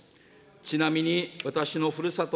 ちなみに、私のふるさと